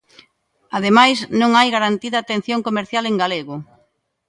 Ademais, non hai garantida atención comercial en galego.